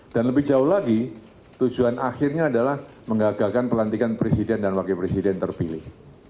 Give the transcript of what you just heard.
dan lebih jauh lagi tujuan akhirnya adalah menggagalkan pelantikan presiden dan wakil presiden terpilih